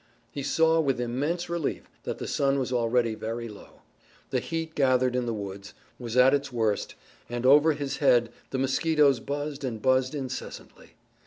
He saw with immense relief that the sun was already very low. The heat, gathered in the woods, was at its worst, and over his head the mosquitoes buzzed and buzzed incessantly.